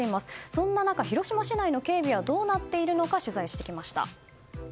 そんな中、広島市内の警備がどうなっているのか取材してきました。